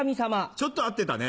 ちょっと合ってたね。